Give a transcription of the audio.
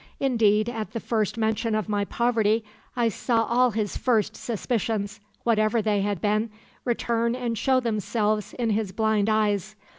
Indeed, at the first mention of my poverty, I saw all his first suspicions whatever they had been return and show themselves in his blind eyes.